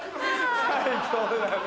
最高だね。